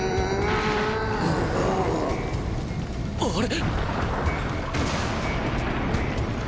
あれ？